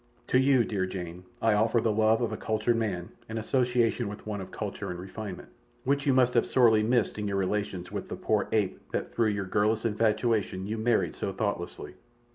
"To you, dear Jane, I offer the love of a cultured man and association with one of culture and refinement, which you must have sorely missed in your relations with the poor ape that through your girlish infatuation you married so thoughtlessly.